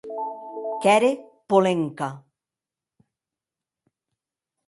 Qu’ère Polenka.